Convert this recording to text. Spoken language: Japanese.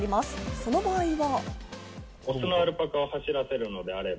その場合は。